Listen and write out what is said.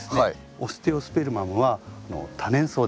オステオスペルマムは多年草です。